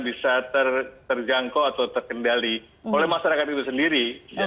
bisa terjangkau atau terkendali oleh masyarakat itu sendiri